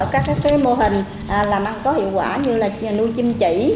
các mô hình làm ăn có hiệu quả như là nuôi chim chỉ